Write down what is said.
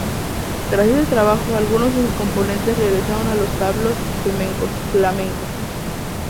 Tras este trabajo, algunos de sus componentes regresaron a los tablaos flamencos.